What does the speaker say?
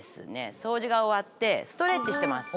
掃除が終わってストレッチしてます。